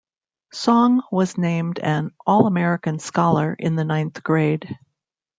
Song was named an All-American Scholar in the ninth grade.